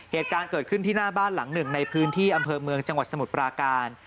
เหตุการณ์เกิดขึ้นที่หน้าบ้านหลังหนึ่งในพื้นที่อำเภอเมืองจังหวัดสมุทรปราการ